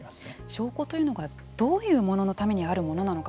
証拠というのがどういうもののためにあるものなのか